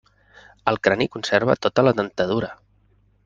El crani conserva tota la dentadura.